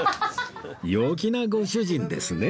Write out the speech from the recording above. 陽気なご主人ですね